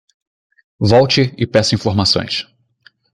Volte e peça informações.